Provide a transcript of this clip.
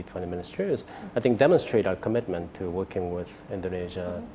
menunjukkan kepercayaan kami untuk bekerja dengan indonesia